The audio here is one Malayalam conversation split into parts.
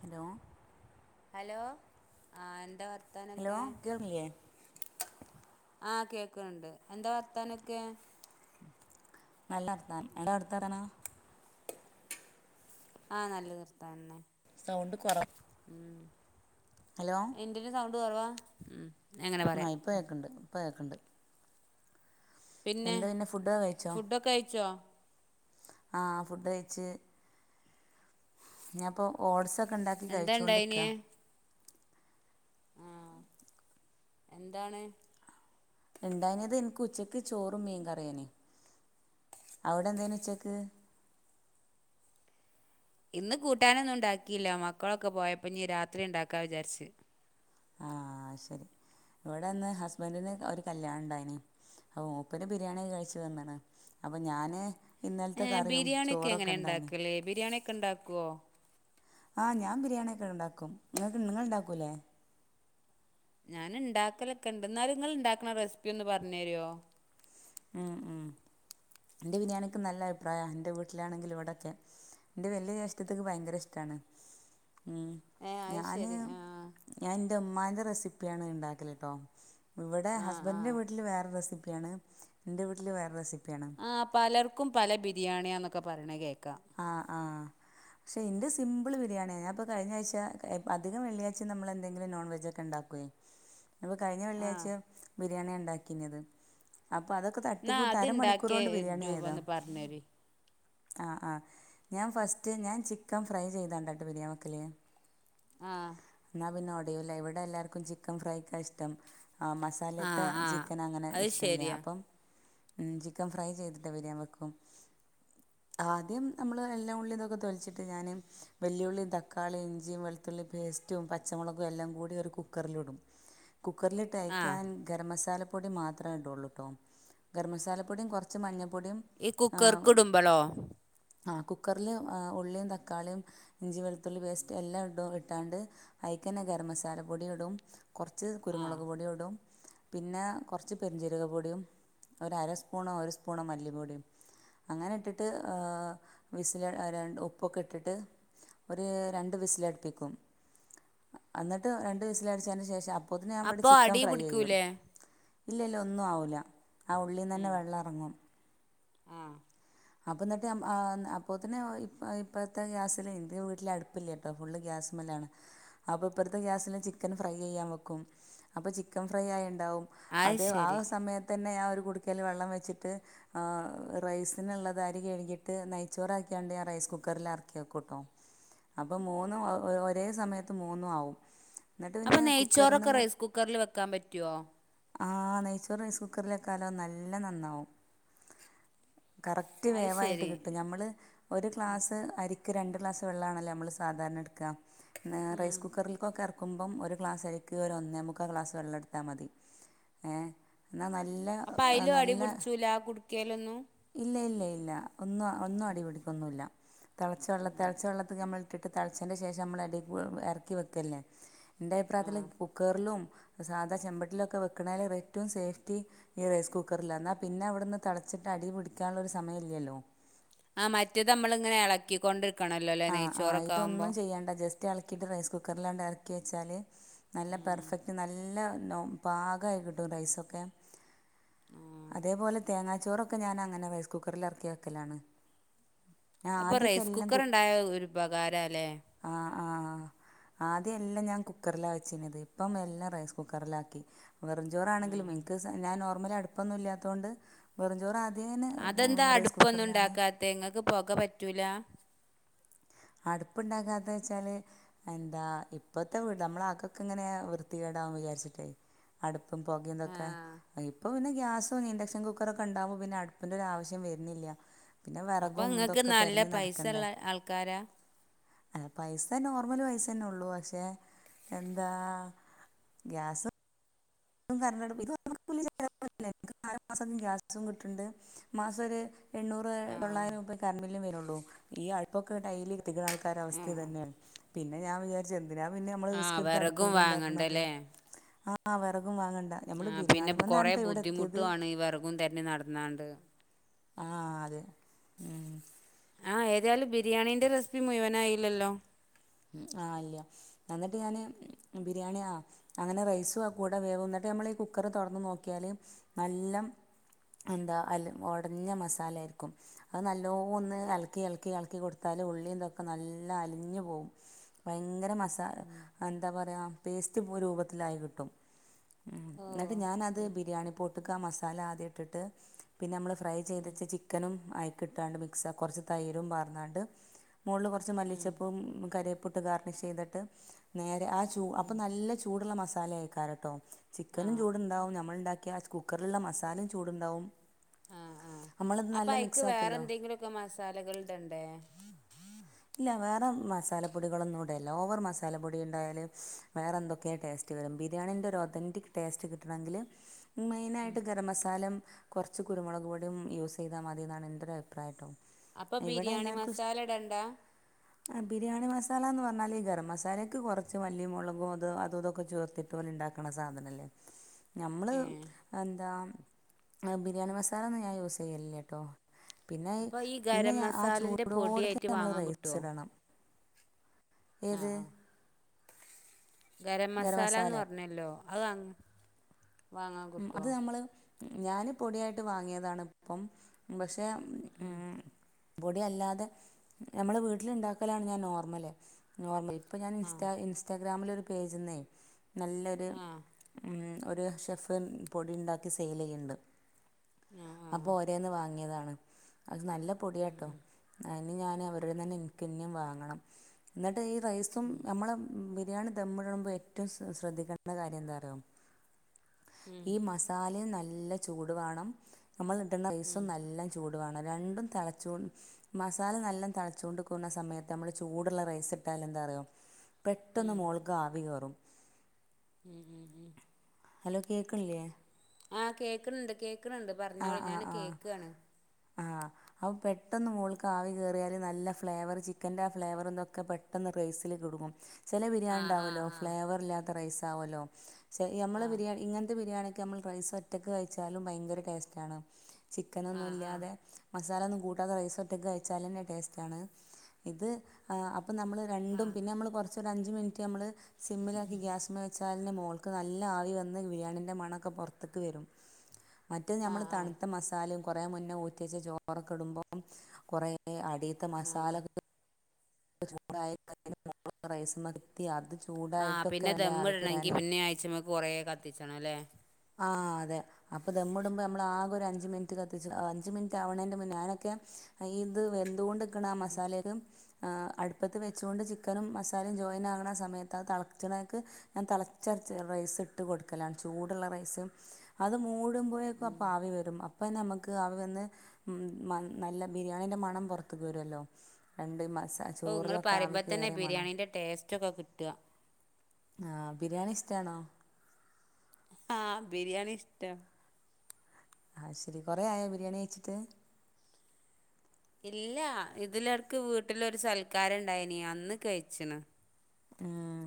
ഹലോ ഹലോ ആ എന്താ വർ ഹലോ കേൾക്ക്ൺ ല്ലേ ആ കേക്ക്ണ് ണ്ട് എന്താ വർത്താനൊക്കെ നല്ല വർത്താനം അവടെ [unintelligible] ആ നല്ല വർത്താനെന്നെ സൗണ്ട് കുറവ് ഉം ഹലോ എന്റെന് സൗണ്ട് കൊറവാ ആ ഇപ്പൊ കേക്കണ്ട് ഇപ്പ കേക്കണ്ട് പിന്നെ കഴിച്ചോ ഫുഡൊക്കയിച്ചോ? ആ ഫുഡ് കയ്ച്ച് ഞാപ്പൊ ഓഡ്സൊ ക്കണ്ടാക്കി എന്താ കഴിച്ചുകൊണ്ട്ക്കാ ആ എന്താണ് ണ്ടായിന്നത് ഇൻക്ക് ഉച്ചക്ക് ചോറും മീൻ കറിയേയ്ന് അവിടെ എന്തേനു ഉച്ചക്ക് ഇന്ന് കൂട്ടാനൊന്നും ണ്ടാക്കില്ല മക്കളൊക്കെ പോയപ്പോ ഞ്ഞി രാത്രി ണ്ടാക്കാ വിചാരിച്ച് ആ ശരി ഇവിടെന്ന് ഹസ്ബന്റിന് ഒരു കല്യാണണ്ടായിന് അപ്പോ മുപ്പര് ബിരിയാണി കഴിച്ചു വന്ന് ണ് അപ്പൊ ഞാന് ഇന്നലത്തെ ഏഹ് കറിയും ബിരിയാണിയൊക്കെ എങ്ങനെ ചോറൊക്കെണ്ടായിന് ഉണ്ടാക്കല് ബിരിയാണിയൊക്കെ ഉണ്ടാക്കുവോ ആ ഞാ ബിരിയാണി ഒക്കെണ്ടാക്കും നിങ്ങൾക്ക് നിങ്ങള്ണ്ടാക്കൂലേ? ഞാന് ണ്ടാക്കലക്കെണ്ട് ന്നാലും ഇങ്ങള്ണ്ടാക്കണ റെസിപ്പി ഒന്ന് പറഞ്ഞേരോ ആ ആ ന്റെ ബിരിയാണിക്ക് നല്ല അഭിപ്രായ ന്റെ വീട്ടിലാണെങ്കിലു ഇവിടൊക്കെ എന്റെ വലിയ ജേഷ്ഠത്തിക്ക് ഭയങ്കര ഇഷ്ട ണ് മ് ഏഹ് അത് ഞാന് ശരി ആഹ് ഞാൻ ന്റെമ്മാന്റെ റെസിപ്പിയാണ് ണ്ടാക്കല്ട്ടോ ഇവിടെ ആഹ് ഹസ്ബന്റിന്റെ ആഹ് വീട്ടില് വേറെ റെസിപ് പ്യാണ് ൻ്റെ വീട്ടില് വേറെ റെസി ആ പലർക്കും പല ബിരിയാണിയാന്നൊക്കെ പറയണ കേ ആ ആ ക്ഷേ ഇന്റെ സിമ്പിൾ ബിരിയാണിയാ ഞാപ്പോ കഴിഞ്ഞായ്ച്ച അധികം വെള്ളിയാഴ്ച നമ്മെന്തെങ്കിലും നോൺ വെജൊക്കെ ഉണ്ടാക്കേ ഞാപ്പൊ കഴിഞ്ഞ ആ വെള്ളിയാഴ്ച ബിരിയാണിയാ ണ്ടാക്കിന്നത് അപ്പൊ അതൊക്കെ എന്നാ തട്ടിക്കൂട്ട് അത്ണ്ടാക്കിയ അരമണിക്കൂറോണ്ട് ബിരിയാണി രൂപം ആയതാ ഒന്ന് പറഞ്ഞരി ആ ആ ഞാൻ ഫസ്റ്റ് ഞാൻ ചിക്കൻ ഫ്രൈ ചെയ്താണ്ടാ ട്ടാ ബിരിയാൻ വെക്കല് ആ ന്നാ പിന്നൊടയൂല ഇവിടെ എല്ലാവർക്കും ചിക്കൻ ഫ്രൈക്കാ ഇഷ്ടം ആഹ് ആ മസാലേത്തെ ആ ചിക്കൻ അങ്ങനെ അത് ഇഷ്ടല്ല ശരിയാ അപ്പം ഉം ചിക്കൻ ഫ്രൈ ചെയ്തിട്ട് വിരിയാൻ വെക്കും ആദ്യം നമ്മൾ എല്ലാം ഉള്ളിം തൊക്കെ തൊലിച്ചിട്ട് ഞാന് വല്ല്യുള്ളി തക്കാളി ഇഞ്ചി വെളുത്തുള്ളി പേസ്റ്റും പച്ച ളകും എല്ലംകൂടി ഒരു കുക്കറിലിടും. കുക്കറിൽ ഇട്ട് ആ അയ്ക്ക് ഞാൻ ഗരമസാല പൊടി മാത്രേ ഇടൊള്ളു ട്ടോ ഗരമസാല പൊടിം കൊറച്ച് മഞ്ഞ ഈ കുക്കർക്ക്ടുമ്പൊളോ ആഹ് കുക്കർല് ഏഹ് ഉള്ളിം തക്കാളിം ഇഞ്ചി വെളുത്തുള്ളി പേസ്റ്റ് എല്ലാം ഇടും ഇട്ടാണ്ട്. അയ് ക്കെന്നെ ഗരം മസാല പൊടി ഇടും കൊറച്ച് ആ കുരുമുളക് പൊട്യൂടും. പിന്നെ കൊറച്ച് പെരിഞ്ചീരക പൊടിം ഒരരസ്പൂണോ ഒരു സ്പൂണോ മല്ലിപൊടിം അങ്ങനെ ഇട്ടിട്ട് ഏഹ് വിസില് രണ് ഉപ്പൊക്കെ ഇട്ടിട്ട് ഒരു രണ്ട് വിസിലടിപ്പിക്കും അന്നിട്ട് രണ്ടു വിസിൽ അടിച്ചേന് ശേഷം അപ്പോത്തിനു ഞാൻ ഇവടെ അപ്പൊ ചിക്കൻ അടി ഫ്രൈ ചെയ്യും പിടിക്കൂലേ ഇല്ല ഇല്ല ഒന്നു ആവൂല ആ ഉള്ളീന്നന്നെ വെള്ളം എറങ്ങും ആഹ് അപ്പ എന്നിട്ട് ആഹ് അപ്പോത്തിന് ഇപ്പ ഇപ്പത്തെ ഗ്യാസില് ഇന്റെ വീട്ടില് അടുപ്പില്ലട്ടോ ഫുള്ള് ഗ്യാസ് സ്‌മലാണ് അപ്പൊ ഇപ്പറത്തെ ഗ്യാസില് ചിക്കൻ ഫ്രൈ ചെയ്യാൻ വെക്കും അപ്പൊ ചിക്കൻ ഫ്രൈ ആയോ ണ്ടാവും. അത് അതെ ആ ശരി സമയത്തന്നെ ഞാൻ ഒരു കുടുക്കേൽ വെള്ളം വച്ചിട്ട് ആഹ് റൈസ് ന്ള്ളത് അരി കഴ്കിയിട്ട് നെയിച്ചോറാക്ക്യാണ്ട് ഞാൻ റൈസ് കുക്കർല് എറക്ക്യേക്കുട്ടോ അപ്പം മൂന്നും ഒ ഒരേ സമയത്ത് മൂന്നു ആവും എന്നിട്ട് പിന്നെ അപ്പം കുക്കറിൽ നെയ്ച്ചോറൊക്കെ റൈസ് കുക്കർല് വെക്കാൻ പറ്റോ? ആഹ് നെയ്ച്ചോർ റൈസ് കുക്കർല് വെക്കാലോ നല്ലം നന്നാവും കറക്റ്റ് അത് വേവായിട്ട് ശരി കിട്ടും ഞമ്മള് ഒരു ഗ്ലാസ്സ് അരി ക്ക് രണ്ട് ഗ്ലാസ് വെള്ളാണല്ലേ നമ്മള് സാധാരണ എടുക്കാ. ന്ന് റൈസ് കുക്കർല്ക്കൊക്കെ എറ ക്കുമ്പം ഒരു ഗ്ലാസരിക്ക് ഒരു ഒന്നേ മുക്കാ ക്ലാസ് വെള്ളട്ത്താ മതി. ഏഹ് ന്നാ നല്ല അപ്പൊ അയിലും അടി നല്ല പിടിച്ചൂല ആ കുടുക്കയിലൊന്നും ഇല്ല ഇല്ല ഇല്ല ഒന്നും ഒന്നും അടിപിടിക്കൊന്നുല്ല. തെളച്ച വെള്ള തെളച്ച വെള്ളത്ത് നമ്മള് ഇട്ടിട്ട് തൾച്ചേൻ്റെ ശേഷം മ്മള് അടീക്ക് എർക്കി വെക്കല്ലേ ഇൻ്റെ ആ അഭിപ്രായത്തില് കുക്കർലും സാധാ ചെമ്പട്ടിൽലൊക്കെ വെക്ക്ണേലും ഏറ്റവും സേഫ്റ്റി ഈ റൈസ് കുക്കർലാ ന്നാ പിന്നെ അവ്ടുന്ന് തളച്ച് അടി പിടിക്കാനുള്ളൊരു സമയില്ലല്ലോ ആ മറ്റേത് നമ്മളിങ്ങനെ ഇളക്കിൊണ്ടിരിക്കണല്ലോല്ലെ നെയ്ച്ചോറൊക്കെ ആവുമ്പോ റ്റ എളക്കിയിട്ട് റൈസ് കുക്കറിലണ്ട് എറക്കി വെച്ചാല് നല്ല പെർഫെക്ട് നല്ല നോ പാകയിട്ട് കിട്ടും റൈസൊക്കെ അതേപോലെ തേങ്ങാച്ചോറൊക്കെ ഞാനങ്ങനെ റൈസ് കുക്കറില് എറക്കി വെക്കലാണ് ഞാൻ അപ്പൊ ആദ്യമൊക്കെ റൈസ് എല്ലാം കുക്കർ കുക്ക് ഉണ്ടായോ ഒരു ഉപകാര അല്ലേ ആഹ ആദ്യം എല്ലാം ഞാൻ കുക്കറില വെച്ചന്നത് ഇപ്പം എല്ലാം റൈസ് കുക്കറിലാക്കി വെറും ചോറാണെങ്കിലും എനിക്ക് ഞാൻ നോർമലടുപ്പൊന്നും ഇല്ലാത്തോണ്ട് വെറുംചോറ് ആദ്യമേ അതെന്താ റൈസ് അടുപ്പൊന്നും കുക്കറിലാണ് ഉണ്ടാക്കാത്ത എങ്ങക്ക് പോക പറ്റൂല അടുപ്പുണ്ടാക്കാത്ത വെച്ചാല് എന്താ ഇപ്പത്തെ വീട് നമ്മള അകൊക്കെ ഇങ്ങനെ വൃത്തിയ വിചാരിച്ചിട്ടേ അടുപ്പും ആ പുകയുംതൊക്കെ ഇപ്പപിന്നെ ഗ്യാസോ ഇൻഡക്ഷൻ കുക്കറ ഒക്കെ ഉണ്ടാവകുമോ പിന്നെ അടുപ്പിന്റെറെ ആവശ്യം വരുന്നില്ല പിന്നെ അപ്പോൾ വിറകും നിങ്ങൾക്ക് ഇതൊക്കെ നല്ല തെരഞ്ഞു പൈസ നടക്കണ്ടേ ഉള്ള ആൾക്കാരാ അ പൈസ നോർമൽ പൈസന്നെ ഉള്ളു പക്ഷെ എന്താ ഗ്യാസ് കറന്റടുപ്പ് [unintelligible] [unintelligible] ഗ്യാസും കിട്ടുണ്ട് മാസം ഒരു എണ്ണൂറ് ആ തൊള്ളായിരം കറന്റ് വരുള്ളൂ ഈ അടുപ്പൊക്കെ ടൈലി കത്തിക്കണ ആൾക്കാരരു അവസ്ഥ തന്നെയ പിന്നെ ഞാൻ വിചാരിച്ച ന്തിനാ പിന്നെ നമ്മള് ആ റിസ്ക് എടുത്ത് വിറകും അടുപ്പുമ്മേ ഇണ്ടാക്കണത് വാങ്ങണ്ടല്ലേ വാങ്ങണ്ട നമ്മള് ആ പിന്നെ ബിരിയാണിമ്മന്നാ കുറേ ണ്ട്ടോ ഇവിടത്തിയത് ബുദ്ധിമുട്ടുമാണ് ഈ വിറകും തന്നെ നടന്നാണ്ട് ആ അതെ ഉം ആ ഏതായാലും ബിരിയാണീന്റെ റെസിപ്പി മുയുവനായില്ലല്ലോ? ഉ ആഹ് ഇല്ല എന്നിട്ട് ഞാന് ബിരിയാണി ആ അങ്ങനെ റൈസും ആ കൂടെ വേവുന്നിട്ട് നമ്മള് കുക്കറ് തുറന്ന് നോക്കിയാല് നല്ലം എന്താ അ ഉടഞ്ഞ മസാലായിരിക്കും അത് നല്ലോ ഒന്ന് ഇലക്കി ഇലക്കി ഇളക്കി കൊടുത്ത ഉള്ളീന്തൊക്കെ നല്ല അലിഞ് പോവും ഭയങ്കര മസ എന്താ പറയാ പേസ്റ്റ് രൂപത്തിലായി കിട്ടും ഉ ഓ എന്നിട്ട് ഞാനത് ബിരിയാണി പൊട്ടുക്ക് ആ മസാല ആദ്യം ഇട്ടിട്ട് പിന്നെ മ്മള് ഫ്രൈ ചെയ്തി ചിക്കനും ആയിക്കിട്ടാണ്ട് മിക്സ് കുറച്ച് തൈരും പാർന്നാണ്ട് മോള് കുറച്ച് മല്ലിച്ചപ്പും കരപ്പൊട്ട് ഗർണിഷ് ചെയ്തിട്ട് നേരെ ആ ചൂ അപ്പൊ നല്ല ചൂടുള്ള മസാല അയക്കാറ ട്ടോ ആ ചിക്കനും ചൂടുണ്ടാവും നമ്മൾ ഉണ്ടാക്കിയ കുക്കറിലുള്ള മസാലയും ചൂടുണ്ടാവും നമ്മളത് അപ്പൊ നല്ല അയിക്ക് വേറെ മിക്സാക്കിയല്ലോ എന്തെങ്കിലുക്കെ മസാലകളിടണ്ടേ [inaudible] ഇല്ല വേറെ മസാലപ്പൊടികളൊന്നും ഇടല്ല ഓവർ മസാലപ്പൊടി ഇണ്ടായാലും വേറെ എന്തൊക്കെയാണ് ടേസ്റ്റ് വര ബിരിയാണിന്റെ ഒരു ഒതന്റിക് ടേസ്റ്റ് കിട്ടണങ്കില് മെയിനായിട്ട് ഗരം മസാലേം കുറച്ച് കുരുമുളക് പൊടിം യൂസ് ചെയ്താ മതി ന്നാണ് എൻ്റെരു അഭിപ്രായട്ടോ അപ്പൊ ബിരിയാണി മസാല ഇടണ്ട ആ ബിരിയാണ മസാ മന്ന് പറഞ്ഞാല് ഈ ഗരം മസാലക്ക് കുറച്ച് മല്ലിം മുളകും അതു അതുതൊക്കെ ചേർത്തിട്ട് ഓല് ഇണ്ടാക്കണ സാധനല്ലേ [inaudible] ഞമ്മള് ഏ എന്താ ബിരിയാണി മസാലന്നും ഞാൻ യൂസ് ചെയ്യലില്ലട്ടോ പിന്നെ അപ്പൊ ഈ പിന്നെ ഗരം ആ മസാലന്റെ ചൂടോടക്കെ പൊടിയായിട്ട് നമ്മള് വാങ്ങാൻ റൈസ് കിട്ടുവോ ഇടണം ആഹ് ഏത്? ആഹ് ഗരം മസാലാന്ന് പറഞ്ഞല്ലോ അതങ് വാങ്ങാൻ കിട്ടോ? ഞാന് പൊടിയായിട്ട് വാങ്ങിയതാണ് ഇപ്പം പക്ഷെ ഉ പൊടിയല്ലാതെ നമ്മളെ വീട്ടില ഇ ണ്ടാക്കലാണ് ഞാൻ നോർമല് നോർമൽ ഇ പ്പോ ഞാൻ ആഹ് ഇൻസ്റ്റാ ഇൻസ്റ്റാഗ്രാമിലൊരു പേജിന്നേ നല്ലൊരു ആഹ് മ് ഒരു ഷെഫ് പൊടി ഇണ്ടാക്കി സെയിൽ ചെയ്യുണ്ണ്ട് ആഹ് ആഹ് അപ്പോൾ ഓരേന്ന് വാങ്ങിയതാണ് അത് നല്ല പൊടിയാട്ടോ ഞാന് അവരുടെതെന്നെ എനക്ക് ഇന്നിം വാങ്ങണം ന്നിട്ട് ഈ റൈസും നമ്മെളെ ബിരിയാണി ദംടുമ്പേ റ്റവും ശ്രദ്ധിക്കണ്ട കാര്യം ന്താ അറിയോ ഈ മസാലയും ന നല്ല ചൂട് വാണം. നമ്മളിട്ന്ന റൈസും നല്ല ചൂട് വേണം. രണ്ടും തെളച്ചോ മസാല നല്ലോം തെളച്ചോണ്ട്ക്ക്ന്ന സമയത്ത് നമ്മ ചൂട്ള്ള റൈസ് ഇട്ട എന്താറിയൊ. പെട്ടന്ന് മോൾക്ക് ആവി കേറും. [inaudible] ഹലോ കേക്കണില്ലേ ചോദ്യചിഹ്നം ആ കേക്ക്ണണ്ട് കേക്കണണ്ട് ആ പറഞ്ഞോളി ഞാൻ കേക്ക്ആണ്. അവു പെട്ടന്ന് മോൾക്ക് ആവി കേ റിയാൽ നല്ല ഫ്ലേവർ ചിക്കന്റെ ആ ഫ്ലാവെർതൊക്കെ പെട്ടെന്ന് റൈസിൽ [unintelligible] ചെല ബിരിയാണ് ആഹ് ആഹ് ഇണ്ടാവുമല്ലോ. ആഹ് ഫ്ലേവർ ഇല്ലാത്ത റൈസ ആവുല്ലോ ച നമ്മൾ ബിരിയാണി ഇങ്ങനത്തെ ബിരിയാണി നമ്മൾ റൈസ് ഒറ്റക്ക് കഴിച്ചാലും ഭയങ്കര ടേസ്റ്റ്ണ് ആഹ് ആഹ് ആഹ് ചിക്കനൊന്നുംല്ലാതെ. മസാലെന്നും കൂട്ടാതെ റൈസോറ്റക്കു കയിച്ചാലെന്നെ ടെയ്സ്റ്റാണ് ഇത് ആ അപ്പം നമ്മൾ രണ്ടും പിന്നെ നമ്മൾ കോർച്ച് അഞ്ച് മിനിറ്റ് നമ്മൾ സിമ്മിലാക്കി ഗ്യാസുമ്മ വെച്ചാൽ ന്റെ മോൾക്ക് നല്ല ആവി വന്ന് ബിരിയാണിന്റെ മണൊക്കെ പുറത്ത്ക്ക് വരും. മറ്റേത് ആഹ് നമ്മൾ ആഹ് തണുത്ത മസാലയും കുറേ മുന്നേ ഊറ്റി വെച്ച ചോറൊക്കെ ഇടുമ്പോം കുറേ അട് അടീത്തെ ആഹ് ആഹ് മസാലക് ചൂടായ [unintelligible] റൈസും മത്തിയാത്. ആ പിന്നെ ദമ്മിടണെങ്കി പിന്നെ ആയിച്ചിമ്മക്ക് കൊറെ കത്തിച്ചണോല്ലേ. ആ അതെ അപ്പോ ദമ്മുടുമ്പോൾ നമ്മൾ ആകെ ഒരു അഞ്ച് മിനിറ്റ് കത്തിച്ച് അഞ്ച് മിനിറ്റ് ആവണെന്റെ മുന്നേ ഞാനൊക്കെ ഈ ഇത് വെന്തുട്കനെ ആ മസാലക്ക് ആ അടുപ്പത്ത് വെച്ചൊണ്ട് ചിക്കനും മസാലയും ജോയിൻ ആകണ സമയത്ത് അത് തിളച്ചണേക്കു ഞാൻ തളച്ച റൈസിട്ട് കൊടുക്കലാണ് ചൂട് ഇപ്പുള്ള റൈസും. അത് മൂടുമ്പോയെ ക്കും അപ്പോ ആവി വരും അപ്പ നമുക്ക് അവി വന്ന് നല്ല ബിരിയാണീന്റെ മണം പുറത്തക്ക് വരുവല്ലോ രണ്ട് മാ ഔ നിങ്ങൾ പറയുമ്പോ തന്നെ ബിരിയാണിന്റെ ടേസ്റ്റൊക്കെ കിട്ടാ ആ ബിരിയാണി ഇഷ്ട്ടാണോ ആഹ ബിരിയാണി ഇഷ്ടാ. ഐശെരി കുറെയായോ ബിരിയാണി കയിച്ചിട്ട്. ഇല്ല ഇതിലടക്ക് വീട്ടിലൊരു സൽക്കാരംണ്ടായിനി അന്ന് കയിച്ച്ണ്. ഉം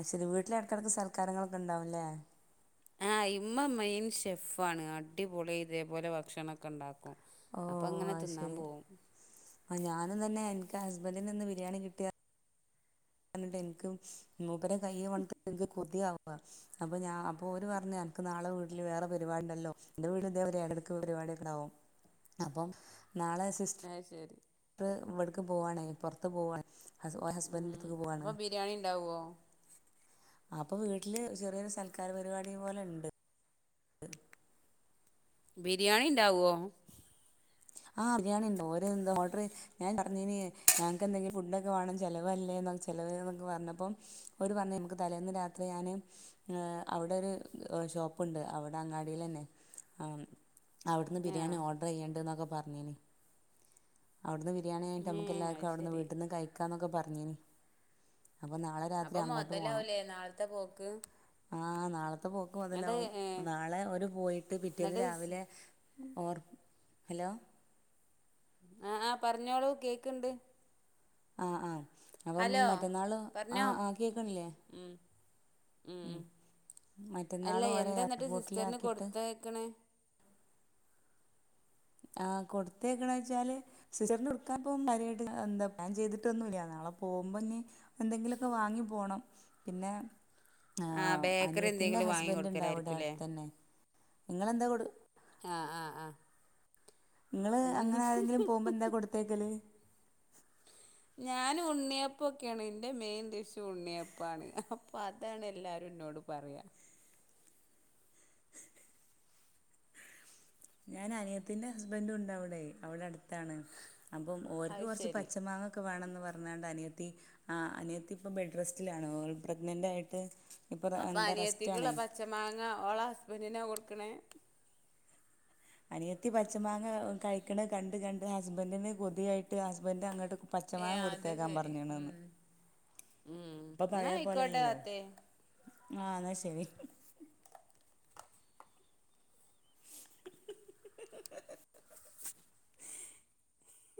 ഐശ്ശെരി വീട്ടിലെ എടക്കെടക്ക് സൽക്കാരങ്ങളൊക്കെ ഇണ്ടാവുംല്ലേ. ആ ഇമ്മ മെയിൻ ഷെഫ്ഫാണ് അടിപൊളി ഇതേപോലെ ഭക്ഷണംക്കെണ്ടാക്കും. ഓ അ ശരി ആ ഞാനും തന്നെ എനിക്ക് ഹസ് [unintelligible] നിന്ന് ബിരിയാണി കിട്ടിയ [unintelligible] ന്ക്കും മൂപ്പരെ കയ്യെ മണത്തിട്ട്ന്ക്ക് കൊതിയാവും. അപ്പൊഞാ അപ്പൊ ഓര് പറഞ്ഞു എനിക്ക് നാളെ വീട്ടിൽ വേറെ പരിവാ ണ്ടല്ലോ എന്റെ [unintelligible] [unintelligible] [unintelligible] അപ്പം. നാളെ അത് ശരി സിസ്റ്റർ ഇവിടക്ക് പോവാൻ പോർത്ത് പോവാണ്. ഓരെ ഉം ഹസ്ബൻഡന്റെത്തക്ക് പോവാണ്. അപ്പം ബിരിയാണി ഉണ്ടാവോ അപ്പം വീട്ടിൽ ചെറിയൊരു സൽക്കാര പരിപാടി പോലെണ്ട്. ബിരിയാണി ഉണ്ടാവോ ആ ബിരിയാണിയിണ്ട് ഓര് എന്തൊ ഓർഡർ ചെയ്ത് ഞാൻ പറഞ്ഞിനി ഞങ്ങക്കെന്തെങ്കിലും ഫുഡ്ഡോക്കെ വേണം ചെലവല്ലേ. ചെലവ് ന്നൊക്കെ പറഞ്ഞപ്പം ഒര് പറഞ്ഞീന് ഇൻക്ക് തലേന്ന് രാത്രി ഞാൻ എ അവിടെരു [unintelligible] ഷോപ്പുണ്ട് അവിടെ അങ്ങാടിലന്നെ ആ അവ്ട്ന്ന് ബിരിയാണി ആഹ് ഓർഡർ ചെയ്യണ്ട്ന്നൊക്കെ പറഞ്ഞിനി. അവ്ട്ന്ന് ബിരിയാണി ആയിട്ട് നമുക്ക് ഏഹ് എല്ലാവർക്കും അത് അവിടുന്ന് ശരി വീട്ടിൽ നിന്ന് കയിക്കാന്നൊക്കെ പറഞ്ഞീനി. അപ്പം നാള രാത്രി അപ്പം അങ്ങോട്ട് പോണം. മൊതലാവൂലേ നാളത്തെ പോക്ക് ആ നാളെ പോക്ക് എന്നിട്ട് മൊതലാവും. ഏഹ് നാളെ ഓര് പോയിട്ട് പിറ്റേന്ന് എന്നിട്ട് സ് രാവിലെ ഓർ ഹലോ? ആഹ് ആ പറഞ്ഞോളൂ കേക്കിണ്ട്. ആ ആ അപ്പം മറ്റന്നാൾ ആ പറഞ്ഞോ ആ കേക്കണില്ലേ ഉം. മറ്റന്നാൾ അല്ല ഓരോ എന്തെ എന്നിട്ട് സിസ്റ്ററിന് എയർപോർട്ടിലാക്കിയിട്ട് കൊടുത്തയ്ക്കണേ ആ കൊടുത്തായക്നെ വെച്ചാൽ സിസ്റ്റർന് കൊടുക്കാൻപ്പം കാര്യായിട്ട് എന്താ പ്ലാൻ ചെയ്തിട്ടൊന്നുല്ല. അങ്ങനെ നാളെ പോവുമ്പം [unintelligible] എന്തെങ്കിലൊക്കെ വാങ്ങി പോണം. പിന്നെ ആ ആഹ് ബേക്കറി അനിയത്തിന്റെ എന്തെങ്കിലും വാങ്ങി ഹസ്ബന്റിണ്ടവിടെ കൊടുക്കലായിരിക്കുംല്ലേ അടുത്തന്നേ. നിങ്ങളെന്താ കൊടു ആ ആ ആ നിങ്ങള് അങ്ങനെ ആരെങ്കിലും പോവുമ്പോന്താ കൊടുത്തയക്കല്. ഞാൻ ഉണ്ണിയപ്പൊക്കെയാണ്. എന്റെ മെയിൻ ഡിഷ് ഉണ്ണിയപ്പാണ്. അപ്പൊ അതാണ് എല്ലാരും പറയാ. ഞാൻ അനിയത്തിന്റെ ഹസ്ബൻഡ്ണ്ടവിടെ അവിടെ അടു ത്താണ്. അപ്പ ഓര്ക്ക് അത് കൊറച്ച് ശരി പച്ച മാങ്ങക്കെ വേണന്ന് പറഞ്ഞണ്ട് അനിയ ആ അനിയത്തി ഇപ്പ ബെഡ് റെസ്റ്റിലാണ്. ഓല് പ്രഗ്നന്റായിട്ട്. അപ്പ അനിയത്തിക്കുള്ള പച്ച മാങ്ങ ഓളെ ഹസ്ബൻന്റിനാ കൊടുക്കണേ. അനിയത്തി പച്ച മാങ്ങ കഴിക്കണ കണ്ട്, കണ്ട്, ഹസ്ബന്റിന് കൊതിയായിട്ട് ഹസ്ബന്റ് അങ്ങട്ട് പച്ച ഏ മാങ്ങ അത് കൊടുത്തേക്കാൻ ശരി പറഞ്ഞെണാണ്. ഉം ഉം ഇപ്പ എന്നാ പഴയ ആയിക്കോട്ടെ പോലല്ലല്ലോ. താത്തേ ആ അന്നാ ശരി.